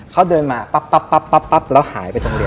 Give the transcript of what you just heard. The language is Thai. เขาเดินมาปั๊บแล้วหายไปตรงเรียน